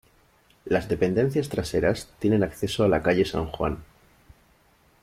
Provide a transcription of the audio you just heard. Las dependencias traseras tienen acceso a la calle San Juan.